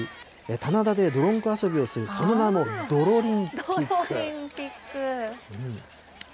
棚田で泥んこ遊びをする、その名もどろリンピック。